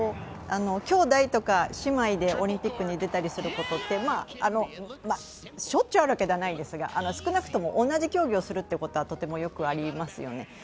兄弟とか姉妹でオリンピックに出たりすることは、しょっちゅうあるわけじゃないですけど少なくとも同じ競技をするということはとてもよくありますよね。